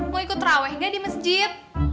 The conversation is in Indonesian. mau ikut terawih gak di masjid